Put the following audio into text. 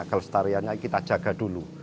kelestariannya kita jaga dulu